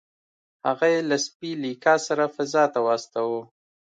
هغه یې له سپي لیکا سره فضا ته واستاوه